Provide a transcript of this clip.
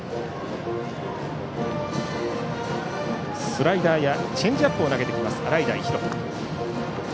スライダーやチェンジアップを投げてきます、洗平歩人。